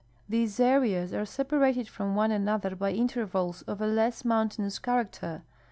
These areas are sepa rated from one another by intervals of a less mountainous character.